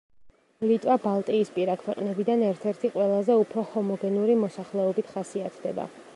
ლიტვა ბალტიისპირა ქვეყნებიდან ერთ-ერთი ყველაზე უფრო ჰომოგენური მოსახლეობით ხასიათდება.